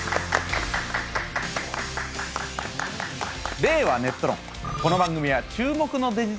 「令和ネット論」。